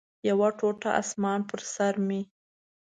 یو ټوټه اسمان پر سر مې